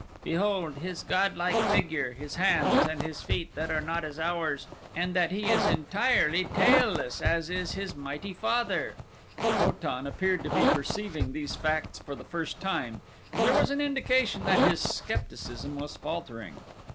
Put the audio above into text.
Behold his godlike figure, his hands, and his feet, that are not as ours, and that he is entirely tailless as is his mighty father." Ko tan appeared to be perceiving these facts for the first time and there was an indication that his skepticism was faltering.